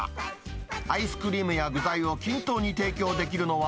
アイスクリームや具材を均等に提供できるのは、